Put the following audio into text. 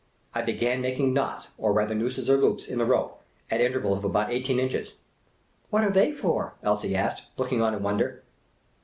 I began making knots, or rather nooses or loops, in the rope, at intervals of about eighteen inches. " What are they for ?" Elsie asked, look ing on in wonder.